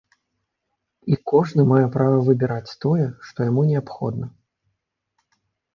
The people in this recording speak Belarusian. І кожны мае права выбіраць тое, што яму неабходна.